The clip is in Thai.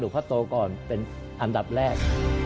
เป็นอันดับแรก